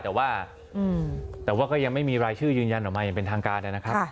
แต่ว่าแต่ว่าก็ยังไม่มีรายชื่อยืนยันออกมาอย่างเป็นทางการนะครับ